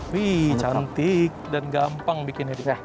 wih cantik dan gampang bikin ini teh